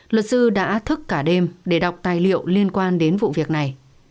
luật sư đã thức cả đêm để đọc tài liệu liên quan đến vụ việc này